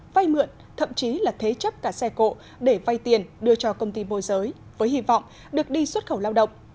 vay mượn thậm chí là thế chấp cả xe cộ để vay tiền đưa cho công ty môi giới với hy vọng được đi xuất khẩu lao động